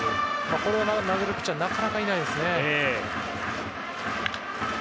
これを投げるピッチャーはなかなかいないです。